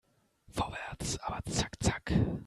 Vorwärts, aber zack zack!